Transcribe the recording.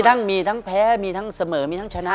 ทั้งมีทั้งแพ้มีทั้งเสมอมีทั้งชนะ